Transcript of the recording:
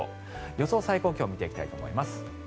予想最高気温見ていきたいと思います。